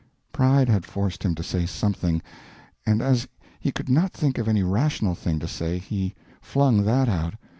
Pride had forced him to say something, and as he could not think of any rational thing to say he flung that out.